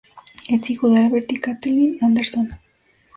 Es hijo de Albert y Kathleen Anderson.